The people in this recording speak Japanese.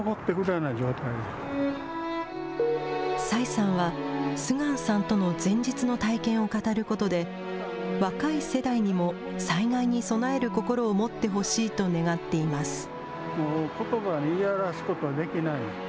崔さんは、スグァンさんとの前日の体験を語ることで、若い世代にも災害に備える心を持ってほしいと願っています。